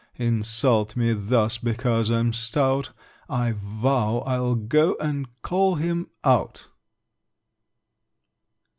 Insult me thus because I'm stout! I vow I'll go and call him out!